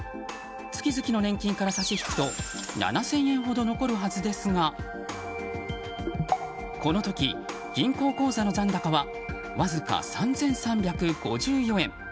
月々の年金から差し引くと７０００円ほど残るはずですがこの時、銀行口座の残高はわずか３３５４円。